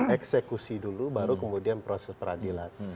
eksekusi dulu baru kemudian proses peradilan